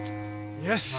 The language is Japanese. よし。